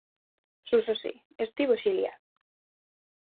Suso si, estivo exiliado.